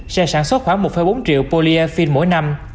sẽ sản xuất khoảng một bốn triệu polyethine mỗi năm